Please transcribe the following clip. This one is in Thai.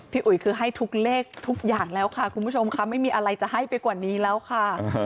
อุ๋ยคือให้ทุกเลขทุกอย่างแล้วค่ะคุณผู้ชมค่ะไม่มีอะไรจะให้ไปกว่านี้แล้วค่ะ